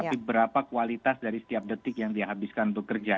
tapi berapa kualitas dari setiap detik yang dihabiskan untuk kerja